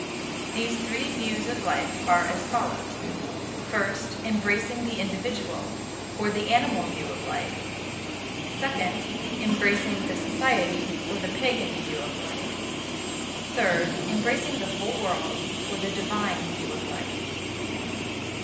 These three views of life are as follows: First, embracing the individual, or the animal view of life; second, embracing the society, or the pagan view of life; third, embracing the whole world, or the divine view of life.